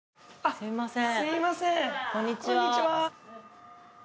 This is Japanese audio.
すいません。